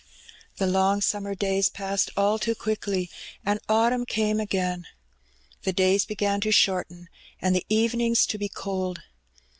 The long summer days passed all too quickly, and autumn came again. The days began to shorten, and the evenings to be cold.